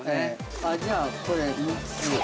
じゃあ、これ３つ。